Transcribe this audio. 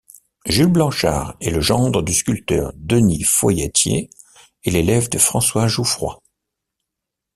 Jules Blanchard est le gendre du sculpteur Denis Foyatier et l'élève de François Jouffroy.